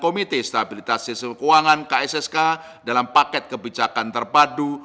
dan memitih stabilitas sistem keuangan kssk dalam paket kebijakan terpadu